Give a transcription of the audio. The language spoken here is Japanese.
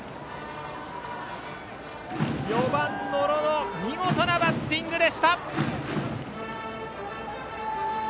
４番、野呂の見事なバッティングでした。